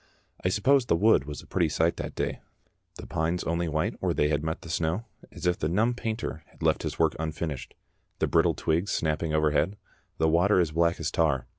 I suppose the wood was a pretty sight that day, the pines only white where they had met the snow, as if the numbed painter had left his work unfinished, the brittle twigs snapping overhead, the water as black as tar.